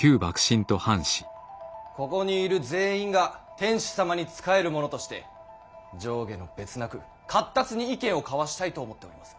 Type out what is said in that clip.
ここにいる全員が天子様に仕える者として上下の別なく闊達に意見を交わしたいと思っております。